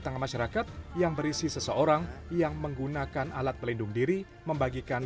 tengah masyarakat yang berisi seseorang yang menggunakan alat pelindung diri membagikan